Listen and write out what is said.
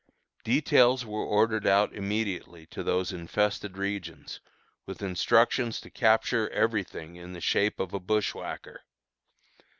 Details were ordered out immediately to those infested regions, with instructions to capture every thing in the shape of a bushwhacker.